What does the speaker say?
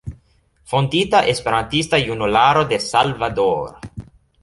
Fondita Esperantista Junularo de Salvador.